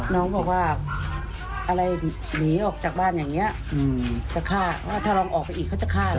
น้องบอกว่าอะไรหนีออกจากบ้านอย่างนี้จะฆ่าว่าถ้าลองออกไปอีกเขาจะฆ่าเหรอ